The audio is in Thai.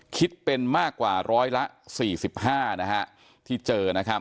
คิดเป็นมากกว่าร้อยละ๔๕ที่เจอ